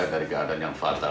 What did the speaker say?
dari keadaan yang fatal